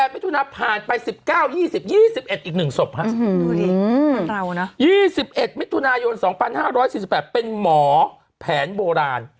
๑๘มิตรทุนายนผ่านไป๑๙๒๐๒๑อีกหนึ่งศพ๒๑มิตรทุนายน๒๕๔๘เป็นหมอแผนโบราณ